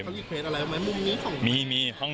มองมีเควสอะไรมุมชัยของ